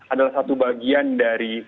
adalah satu bagian dari